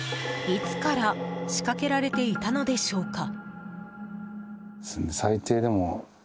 いつから仕掛けられていたのでしょうか？